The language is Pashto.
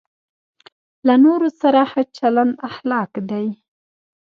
له نورو سره ښه چلند اخلاق دی.